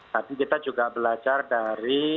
tapi kita juga belajar dari